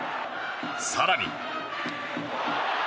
更に。